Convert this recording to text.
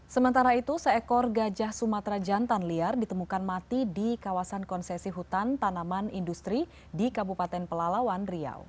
sementara itu seekor gajah sumatera jantan liar ditemukan mati di kawasan konsesi hutan tanaman industri di kabupaten pelalawan riau